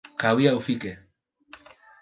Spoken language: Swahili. Kawia ufike